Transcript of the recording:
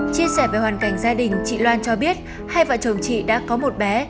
chia sẻ về hoàn cảnh gia đình chị loan cho biết hai vợ chồng chị đã có một bé